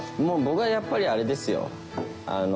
もう僕はやっぱりあれですよ。